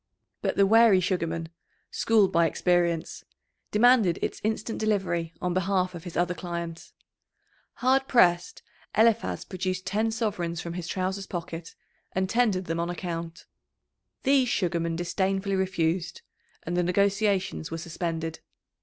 But the wary Sugarman, schooled by experience, demanded its instant delivery on behalf of his other client. Hard pressed, Eliphaz produced ten sovereigns from his trousers' pocket, and tendered them on account. These Sugarman disdainfully refused, and the negotiations were suspended.